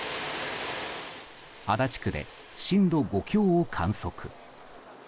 足立区で震度５強を観測。